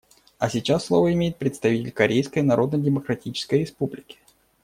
А сейчас слово имеет представитель Корейской Народно-Демократической Республики.